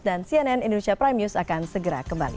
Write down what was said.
cnn indonesia prime news akan segera kembali